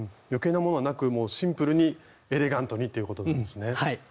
余計なものはなくもうシンプルにエレガントにっていうことなんですね。